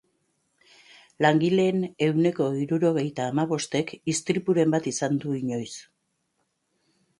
Langileen ehuneko hirurogeita hamabostek istripuren bat izan du inoiz.